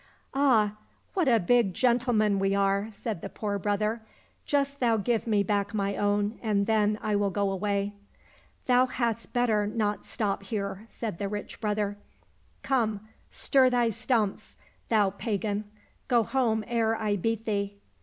—" Ah ! what a big gentleman we are !" said the poor brother ;" just thou give me back my own, and then I will go away." —" Thou hadst better not stop here," said the rich brother ;" come, stir thy stumps, thou pagan ! Go home ere I beat thee